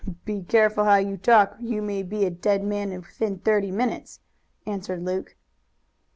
"Be careful how you talk or you may be a dead man within thirty minutes," answered Luke.